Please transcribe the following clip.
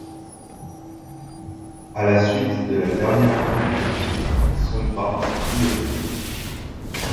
À la suite de la dernière d'entre elles, il sombra sous les flots.